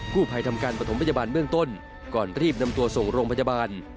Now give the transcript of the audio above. ผู้ภัยทำการประถมพยาบาลเบื้องต้นก่อนรีบนำตัวส่งโรงพยาบาล